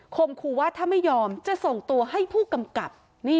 ครูว่าถ้าไม่ยอมจะส่งตัวให้ผู้กำกับ